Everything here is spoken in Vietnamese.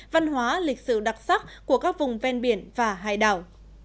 văn hóa lịch sử đặc sắc của các vùng ven biển và hải đảo